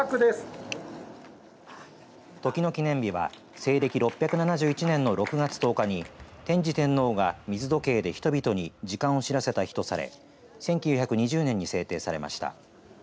時の記念日は西暦６７１年６月１０日に天智天皇が水時計で人々に時間を知らせた日とされ１９２０年に制定されました。